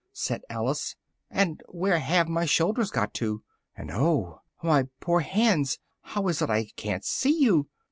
said Alice, "and where have my shoulders got to? And oh! my poor hands! how is it I ca'n't see you?"